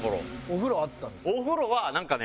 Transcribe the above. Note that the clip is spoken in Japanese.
お風呂はあったんですか？